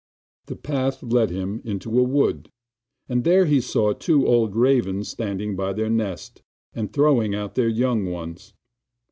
The path led him into a wood, and there he saw two old ravens standing by their nest, and throwing out their young ones.